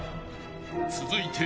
［続いて］